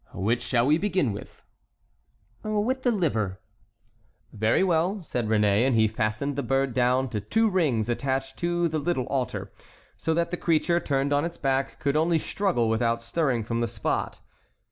"Which shall we begin with?" "With the liver." "Very well," said Réné, and he fastened the bird down to two rings attached to the little altar, so that the creature, turned on its back, could only struggle, without stirring from the spot.